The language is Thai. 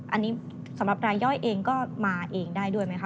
อันนี้สำหรับรายย่อยเองก็มาเองได้ด้วยไหมคะ